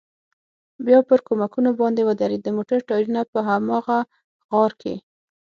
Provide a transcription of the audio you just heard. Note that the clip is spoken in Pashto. بیا پر کومکونو باندې ودرېد، د موټر ټایرونه په هماغه غار کې.